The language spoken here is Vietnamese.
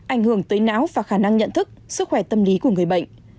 ảnh hưởng tới não và khả năng nhận thức sức khỏe tâm lý của người bệnh